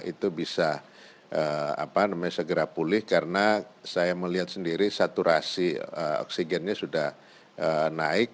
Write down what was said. itu bisa segera pulih karena saya melihat sendiri saturasi oksigennya sudah naik